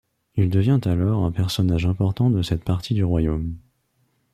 Il devient alors un personnage important de cette partie du royaume.